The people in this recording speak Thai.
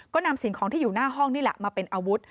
ก็นำสิ่งของที่อยู่หน้าห้องนี่แหละมาเป็นอาวุธ